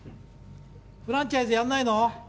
フランチャイズやんないの？